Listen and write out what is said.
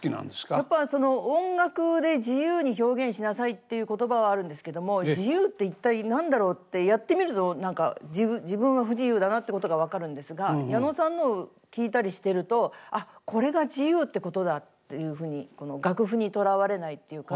やっぱその音楽で自由に表現しなさいっていう言葉はあるんですけども自由って一体何だろう？ってやってみると何か自分は不自由だなってことが分かるんですが矢野さんのを聴いたりしてるとあっこれが自由ってことだっていうふうに楽譜にとらわれないっていうか。